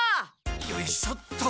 よいしょっと。